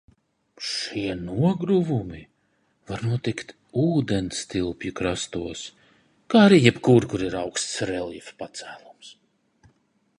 Šie nogruvumi var notikt ūdenstilpju krastos, kā arī jebkur, kur ir augsts reljefa pacēlums.